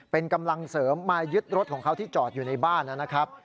เป็นกำลังเสริมมายึดรถของเขาที่จอดอยู่ในบ้านนะครับ